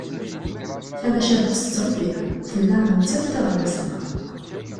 Tamacahut tettrebbi, tella d nettat i d aɣerbaz-nneɣ.